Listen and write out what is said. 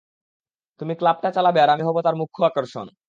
তুমি ক্লাবটা চালাবে আর আমি হব তার মুখ্য আকর্ষণ।